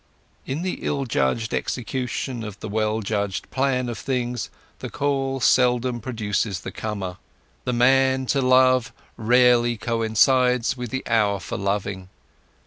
In the ill judged execution of the well judged plan of things the call seldom produces the comer, the man to love rarely coincides with the hour for loving.